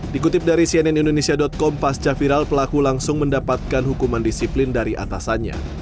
dikutip dari cnnindonesia com pasca viral pelaku langsung mendapatkan hukuman disiplin dari atasannya